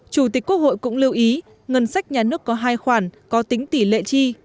chủ tịch quốc hội cũng lưu ý ngân sách nhà nước có hai khoản có tính tỷ lệ chi